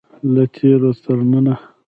له تیرو تر ننه.